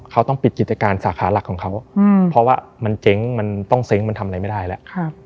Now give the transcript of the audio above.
เขาต้องปิดกิจการสาขาหลักของเขาเพราะว่ามันเจ๊งมันต้องเซ้งมันทำอะไรไม่ได้แล้ว